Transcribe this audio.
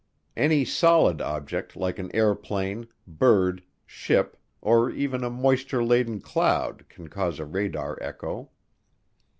Any "solid" object like an airplane, bird, ship, or even a moisture laden cloud can cause a radar echo.